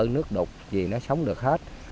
nước đục gì nó sống được hết